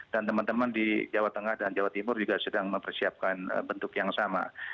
teman teman di jawa tengah dan jawa timur juga sedang mempersiapkan bentuk yang sama